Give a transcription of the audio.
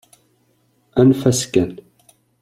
Anef-as kan.